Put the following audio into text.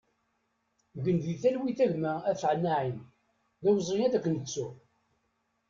Gen di talwit a gma Afâa Naïm, d awezɣi ad k-nettu!